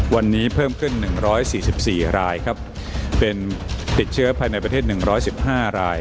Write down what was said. วันนี้เพิ่มขึ้น๑๔๔รายครับเป็นติดเชื้อภายในประเทศ๑๑๕ราย